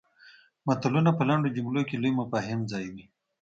متلونه په لنډو جملو کې لوی مفاهیم ځایوي